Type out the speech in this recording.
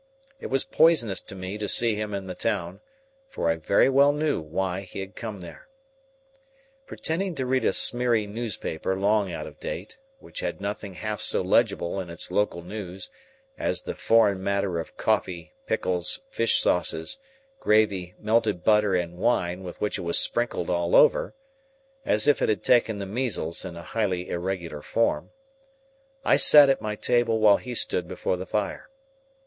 It was poisonous to me to see him in the town, for I very well knew why he had come there. Pretending to read a smeary newspaper long out of date, which had nothing half so legible in its local news, as the foreign matter of coffee, pickles, fish sauces, gravy, melted butter, and wine with which it was sprinkled all over, as if it had taken the measles in a highly irregular form, I sat at my table while he stood before the fire.